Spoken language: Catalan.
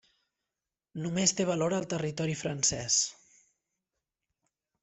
Només té valor al territori francès.